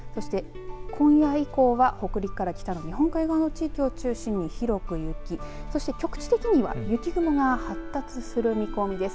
そして今夜以降は北陸から北の日本海側の地域を中心に広く雪そして局地的には雪雲が発達する見込みです。